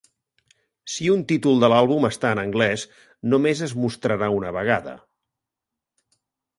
Si un títol de l'àlbum està en anglès, només es mostrarà una vegada.